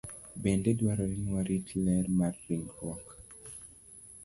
Bende dwarore ni warit ler mar ringruok.